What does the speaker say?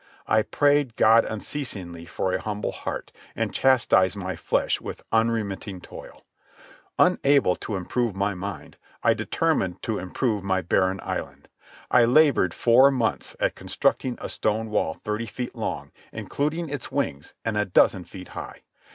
I prayed God unceasingly for a humble heart, and chastised my flesh with unremitting toil. Unable to improve my mind, I determined to improve my barren island. I laboured four months at constructing a stone wall thirty feet long, including its wings, and a dozen feet high.